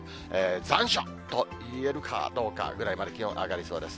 残暑といえるかどうかぐらいまで気温上がりそうです。